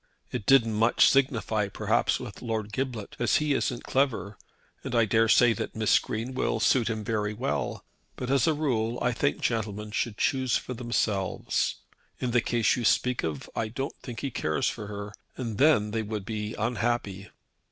It didn't much signify, perhaps, with Lord Giblet, as he isn't clever, and I daresay that Miss Green will suit him very well; but as a rule I think gentlemen should choose for themselves. In the case you speak of I don't think he cares for her, and then they would be unhappy."